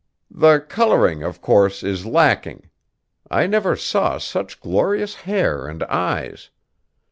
"The coloring, of course, is lacking. I never saw such glorious hair and eyes.